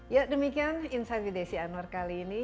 ya demikian insight with desi anwar kali ini